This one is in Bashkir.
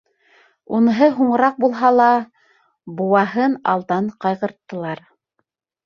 Уныһы һуңыраҡ булһа ла, быуаһын алдан ҡайғырттылар.